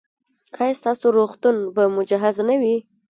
ایا ستاسو روغتون به مجهز نه وي؟